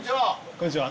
こんにちは。